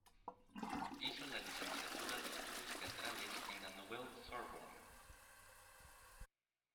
Hizo la licenciatura de Estudios Teatrales en la Nouvelle Sorbonne.